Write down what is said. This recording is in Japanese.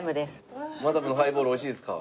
マダムのハイボールおいしいですか？